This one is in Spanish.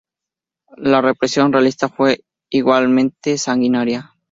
La represión realista fue igualmente sanguinaria.